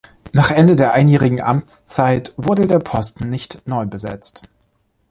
Nach Ende der einjährigen Amtszeit wurde der Posten nicht neu besetzt.